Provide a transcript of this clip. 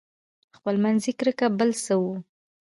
خپلمنځي کرکې بل څه وو.